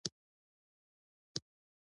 سندره د فکر وده ده